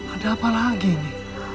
ada apa lagi ini